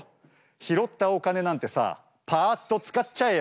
拾ったお金なんてさパッと使っちゃえよ。